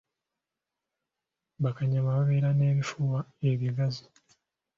Bakanyama babeera n'ebifuba ebigazi.